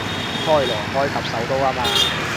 開羅，埃及首都吖嘛